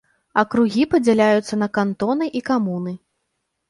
Акругі падзяляюцца на кантоны і камуны.